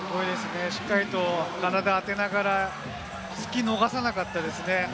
しっかりと体を当てながらツキ逃さなかったですね。